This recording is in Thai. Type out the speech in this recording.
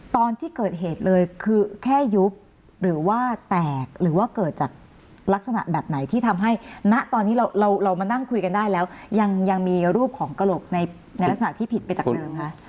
ตอนที่เกิดเหตุเลยคือแค่ยุบหรือว่าแตกหรือว่าเกิดจากลักษณะแบบไหนที่ทำให้ณตอนนี้เรามานั่งคุยกันได้แล้วยังมีรูปของกระโหลกในลักษณะที่ผิดไปจากเดิมคะ